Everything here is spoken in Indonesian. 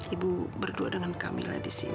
ibu berdua dengan camilla di sini